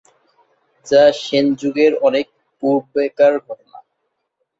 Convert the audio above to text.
যা সেন যুগের অনেক পূর্বেকার ঘটনা।